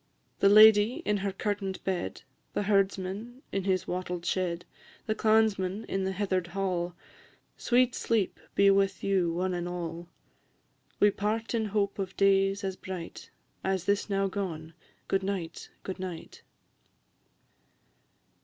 The lady in her curtain'd bed, The herdsman in his wattled shed, The clansman in the heather'd hall, Sweet sleep be with you, one and all! We part in hope of days as bright As this now gone Good night, good night!